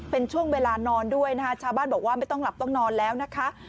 เป็นช่วงเวลานอนด้วยนะคะชาวบ้านบอกว่าไม่ต้องหลับต้องนอนแล้วนะคะ